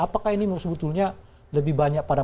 apakah ini sebetulnya lebih banyak pada